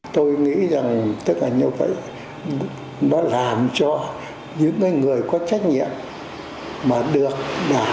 tôi nghĩ rằng tất cả như vậy đã làm cho những người có trách nhiệm mà được đảm